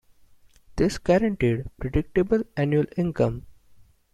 This guaranteed predictable annual income.